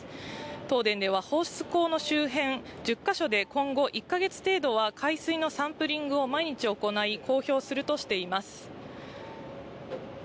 東電では、放出口の周辺１０か所で、今後１か月程度は、海水のサンプリングを毎日行い、公表するとしています。